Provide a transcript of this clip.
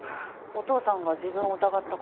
お父さんが自分を疑ったから？